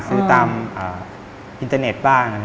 ซื้อตามอินเทอร์เน็ตบ้าง